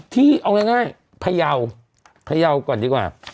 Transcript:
ที่เอาง่ายพยาวพยาวก่อนดีกว่า